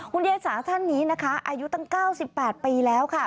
ยายสาท่านนี้นะคะอายุตั้ง๙๘ปีแล้วค่ะ